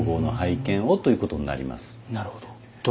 なるほど。